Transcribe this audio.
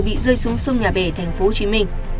bị rơi xuống sông nhà bể tp hcm